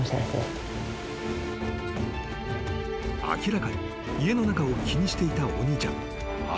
［明らかに家の中を気にしていたお兄ちゃん］